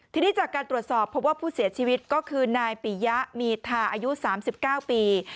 ทีนี้จากการตรวจสอบพบว่าผู้เสียชีวิตก็คือนายปียะมีทาอายุ๓๙ปี